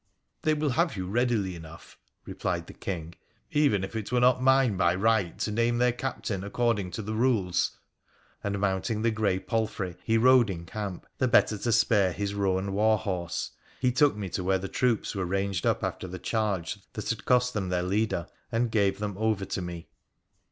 ' They will have you readily enough,' replied the King, ' even if it were not mine by right to name their captain, according to their rules.' And, mounting the grey palfrey, he rode in camp, the better to spare his roan war horse, he took me to where the troops were ranged up after the charge that had cost them their leader, and gave them over to me.